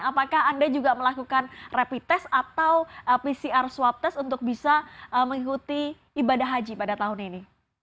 apakah anda juga melakukan rapid test atau pcr swab test untuk bisa mengikuti ibadah haji pada tahun ini